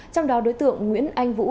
trong đó đối tượng nguyễn anh vũ